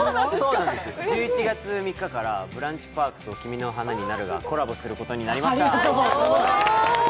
１１月３日からブランチパークと「君の花になる」がコラボすることになりました。